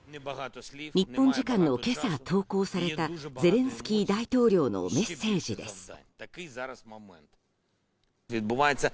日本時間の今朝、投稿されたゼレンスキー大統領のメッセージです。